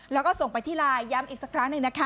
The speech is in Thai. แล้วก็ส่งไปที่ไลน์ย้ำอีกสักครั้งหนึ่งนะคะ